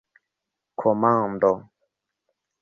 komando